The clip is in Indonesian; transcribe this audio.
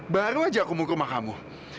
baru aja aku mungkir sama kamu